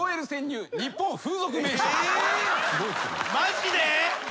マジで？